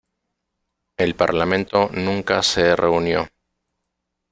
El parlamento nunca se reunió.